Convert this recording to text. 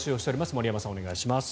森山さん、お願いします。